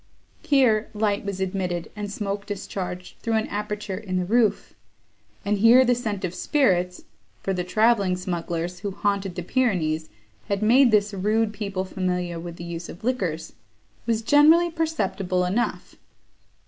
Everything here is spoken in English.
Here, light was admitted, and smoke discharged, through an aperture in the roof; and here the scent of spirits (for the travelling smugglers, who haunted the Pyrenees, had made this rude people familiar with the use of liquors) was generally perceptible enough.